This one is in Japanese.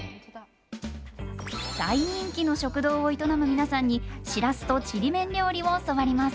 大人気の食堂を営むみなさんにしらすとちりめん料理を教わります！